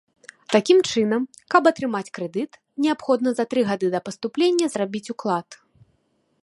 Такім чынам, каб атрымаць крэдыт, неабходна за тры гады да паступлення зрабіць уклад.